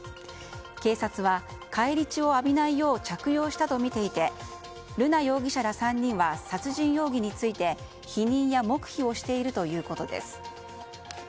警察は、返り血を浴びないよう着用したとみていて瑠奈容疑者ら３人は殺人容疑について否認や黙秘をしているということです。